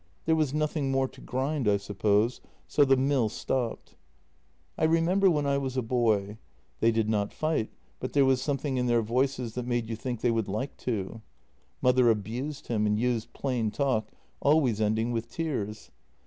There was nothing more to grind, I suppose, so the mill stopped. " I remember when I was a boy. They did not fight, but there was something in their voices that made you think they would like to. Mother abused him and used plain talk, always ending with tears.